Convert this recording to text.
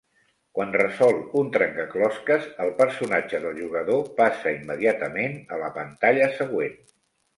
Quan resol un trencaclosques, el personatge del jugador passa immediatament a la pantalla següent.